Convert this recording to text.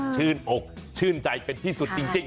ชื่นอกชื่นใจเป็นที่สุดจริง